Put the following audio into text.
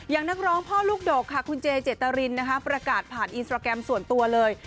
นักร้องพ่อลูกดกค่ะคุณเจเจตรินนะคะประกาศผ่านอินสตราแกรมส่วนตัวเลย